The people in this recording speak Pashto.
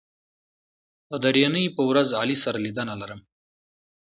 د درېنۍ په ورځ علي سره لیدنه لرم